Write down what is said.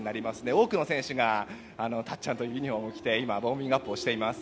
多くの選手がたっちゃんというユニホームを着てウォーミングアップをしています。